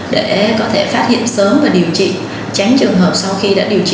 để có thể phát hiện sớm và điều trị tránh trường hợp sau khi đã điều trị